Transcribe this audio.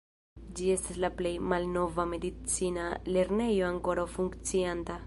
Ĝi estas la plej malnova medicina lernejo ankoraŭ funkcianta.